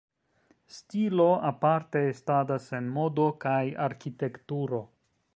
Stilo aparte estadas en modo kaj arkitekturo.